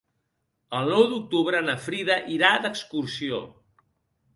El nou d'octubre na Frida irà d'excursió.